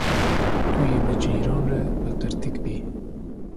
Tu yê bi cîran re bi qirtiq bî.